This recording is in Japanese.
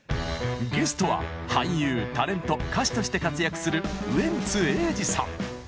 ゲストは俳優タレント歌手として活躍するウエンツ瑛士さん。